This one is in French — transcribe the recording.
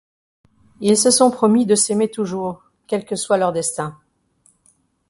Ils se sont promis de s'aimer toujours, quel que soit leur destin.